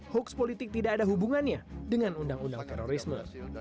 hoax politik tidak ada hubungannya dengan undang undang terorisme